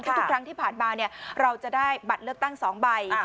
ทุกครั้งที่ผ่านมาเราจะได้บัตรเลือกตั้ง๒ใบ